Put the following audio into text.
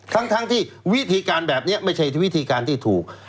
ทั้งที่วิธีการแบบนี้ไม่ใช่วิธีการที่ถูก